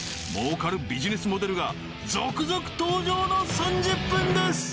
儲かるビジネスモデルが続々登場の３０分です！